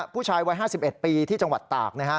ผู้ชายวัย๕๑ปีที่จังหวัดตากนะฮะ